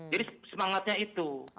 jadi semangatnya itu